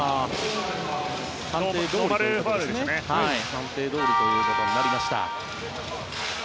判定どおりということになりました。